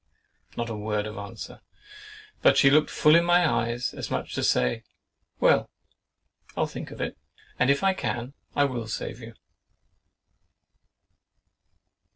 Not a word of answer, but she looked full in my eyes, as much as to say, "Well, I'll think of it; and if I can, I will save you!"